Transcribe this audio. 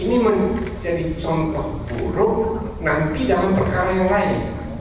ini menjadi contoh buruk nanti dalam perkara yang lain